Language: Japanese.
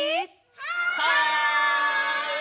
はい！